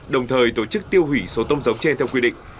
đồng thời tổ chức tiêu hủy số tôm giống chê theo quy định